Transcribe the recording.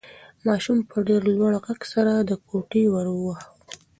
ماشوم په ډېر لوړ غږ سره د کوټې ور واهه.